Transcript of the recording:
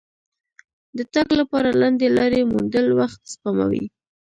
د تګ لپاره لنډې لارې موندل وخت سپموي.